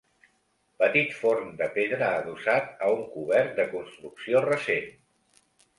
Petit forn de pedra adossat a un cobert de construcció recent.